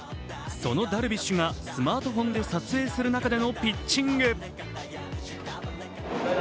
そのダルビッシュがスマートフォンで撮影する中でのピッチング。